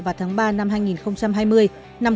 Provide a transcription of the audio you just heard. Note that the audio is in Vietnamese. vào tháng ba năm hai nghìn hai mươi